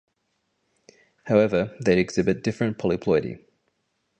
However, they exhibit different polyploidy.